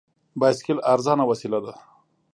بایسکل ارزانه وسیله ده.